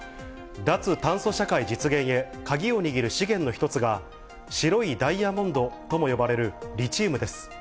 脱炭素社会実現へ、鍵を握る資源の一つが白いダイヤモンドとも呼ばれるリチウムです。